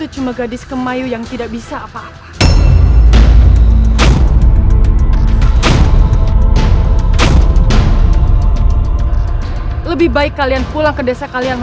sumpah seorang raja besar